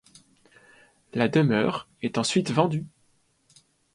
La demeure est ensuite vendue.